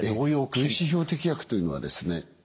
分子標的薬というのはですね